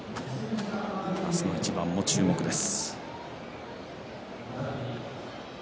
明日の一番も注目です。